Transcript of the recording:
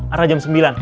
arah jam sembilan